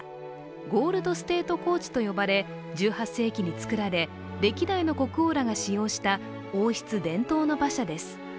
ゴールド・ステート・コーチと呼ばれ、１８世紀につくられ歴代の国王らが使用した王室伝統の馬車です。